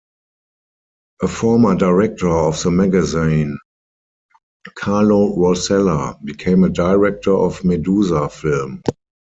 A former director of the magazine, Carlo Rossella, became a director of Medusa Film.